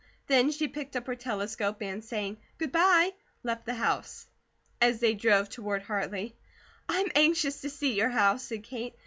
Then she picked up her telescope and saying "good bye," left the house. As they drove toward Hartley: "I'm anxious to see your house," said Kate.